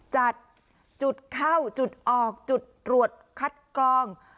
จัดจุดเข้าจุดออกจุดตรวจคัดกรอง